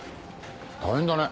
大変だね。